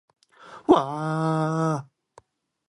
わああああ